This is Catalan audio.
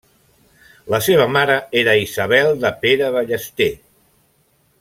La seva mare era Isabel de Pere Ballester.